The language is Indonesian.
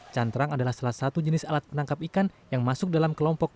cantrang adalah salah satu jenis alat penangkap ikan yang masuk dalam kelompok